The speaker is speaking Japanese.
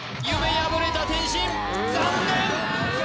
破れた天心残念！